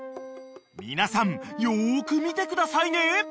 ［皆さんよく見てくださいね］